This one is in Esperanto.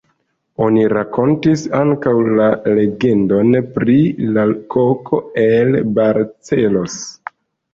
Oni rakontis ankaŭ la legendon pri la koko el Barcelos.